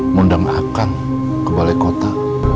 mendang akang ke balai kota